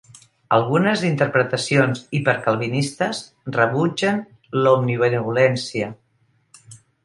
Algunes interpretacions hipercalvinistes rebutgen l'omnibenevolència.